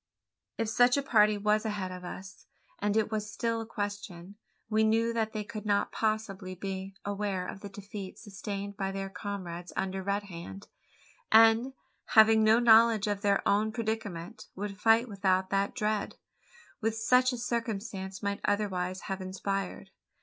If such a party was ahead of us and it was still a question we knew that they could not possibly be aware of the defeat sustained by their comrades under Red Hand; and, having no knowledge of their own predicament, would fight without that dread, which such a circumstance might otherwise have inspired.